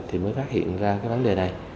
thì mới phát hiện ra cái vấn đề này